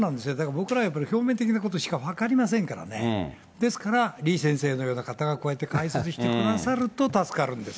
僕らはやっぱり表面的なことしか分かりませんからね、ですから、李先生のような方がこうやって解説くださると助かるんです。